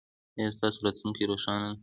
ایا ستاسو راتلونکې روښانه ده؟